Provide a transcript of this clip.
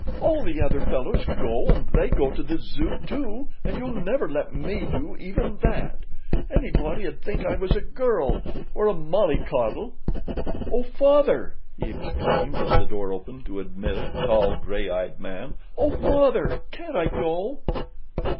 "All the other fellows go and they go to the Zoo, too, and you'll never let me do even that. Anybody'd think I was a girl—or a mollycoddle. Oh, Father," he exclaimed, as the door opened to admit a tall gray eyed man. "Oh, Father, can't I go?"